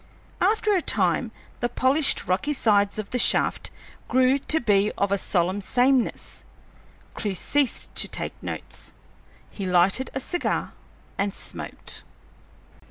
After a time the polished rocky sides of the shaft grew to be of a solemn sameness. Clewe ceased to take notes; he lighted a cigar and smoked.